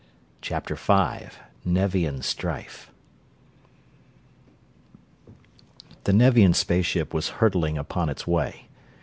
CHAPTER V Nevian Strife The Nevian space ship was hurtling upon its way.